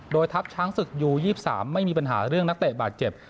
โดยทัพช้างศึกยู๒๓ไม่มีปัญหาเรื่องนักเตะบาดเจ็บ